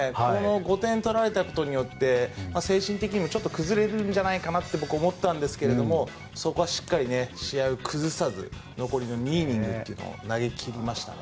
５点取られたことによって精神的にもちょっと崩れるんじゃないかって僕、思ったんですけどもそこはしっかり試合を崩さず残りの２イニングというのを投げ切りましたね。